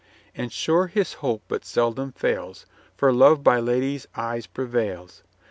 And sure his hope but seldom fails, For love by ladies' eyes prevails.